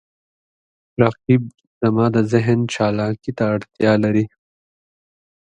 رقیب زما د ذهن چالاکي ته اړتیا لري